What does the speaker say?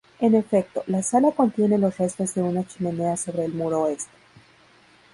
En efecto, la sala contiene los restos de una chimenea sobre el muro oeste.